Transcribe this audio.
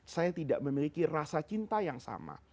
saya tidak memiliki rasa cinta yang sama